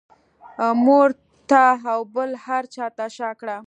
مور ته او بل هر چا ته شا کړه.